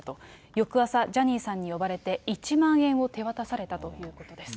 翌朝ジャニーさんに呼ばれて、１万円を手渡されたということです。